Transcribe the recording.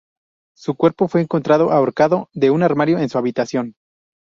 Su cuerpo fue encontrado ahorcado de un armario en su habitación.